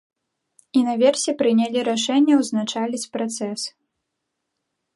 І наверсе прынялі рашэнне, ўзначаліць працэс.